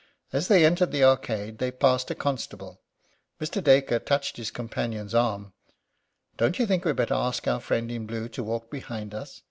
As they entered the Arcade they passed a constable. Mr. Dacre touched his companion's arm. "Don't you think we'd better ask our friend in blue to walk behind us?